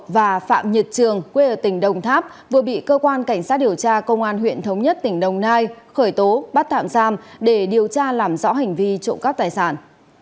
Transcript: và phạm nhật trường quê ở tỉnh đồng tháp vừa bị cơ quan cảnh sát điều tra công an huyện thống nhất tỉnh đồng nai khởi tố bắt tạm giam để điều tra làm rõ hành vi trộm cắp tài sản